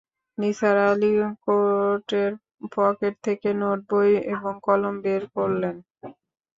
নিসার আলি কোটের পকেট থেকে নোট বই এবং কলম বের করলেন।